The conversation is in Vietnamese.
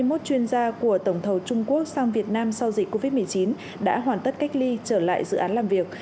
hai mươi một chuyên gia của tổng thầu trung quốc sang việt nam sau dịch covid một mươi chín đã hoàn tất cách ly trở lại dự án làm việc